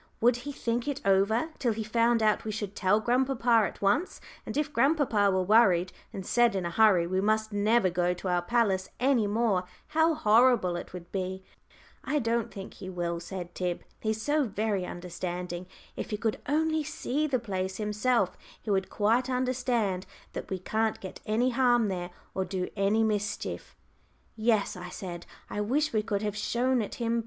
Would he "think it over" till he found out we should tell grandpapa at once; and if grandpapa were worried, and said in a hurry we must never go to our palace any more, how horrible it would be! "I don't think he will," said Tib. "He's so very understanding. If he could only see the place himself, he would quite understand that we can't get any harm there, or do any mischief." "Yes," I said, "I wish we could have shown it him.